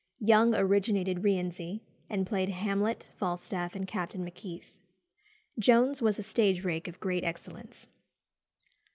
Young originated Rienzi, and played Hamlet, Falstaff, and Captain Macheath. Jones was a stage rake of great excellence.